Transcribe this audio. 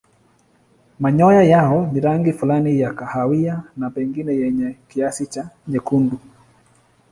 Manyoya yao ni rangi fulani ya kahawia na pengine yenye kiasi cha nyekundu.